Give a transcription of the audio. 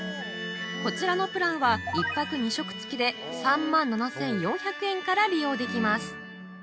こちらのプランは１泊２食付きで３万７４００円から利用できます